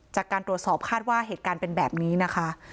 จากการตรวจสอบคาดว่าเหตุการณ์เป็นแบบนี้นะคะ